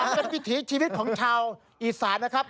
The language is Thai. เป็นวิถีชีวิตของชาวอีสานนะครับ